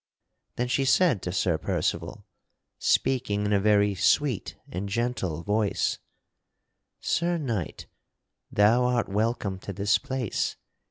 Then she said to Sir Percival, speaking in a very sweet and gentle voice: "Sir Knight, thou art welcome to this place.